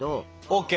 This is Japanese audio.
ＯＫ。